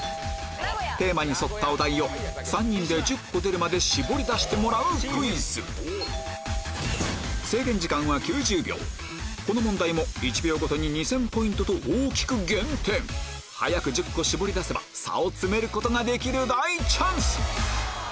テーマに沿ったお題を３人で１０個出るまで絞り出してもらうクイズ制限時間は９０秒この問題も早く１０個絞り出せば差を詰めることができる大チャンス